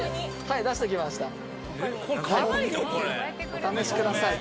お試しください。